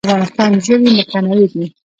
د افغانستان ژوي متنوع دي